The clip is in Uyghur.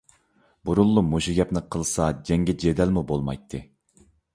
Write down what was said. بۇرۇنلا مۇشۇ گەپنى قىلسىلا جەڭگى - جېدەلمۇ بولمايتتى.